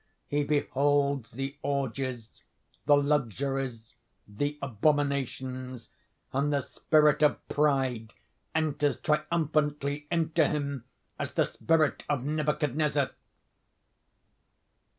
He beholds the orgies, the luxuries, the abominations; and the spirit of Pride enters triumphantly into him as the spirit of Nebuchadnezzar....